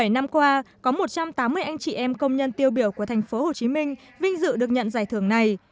bảy năm qua có một trăm tám mươi anh chị em công nhân tiêu biểu của tp hcm vinh dự được nhận giải thưởng này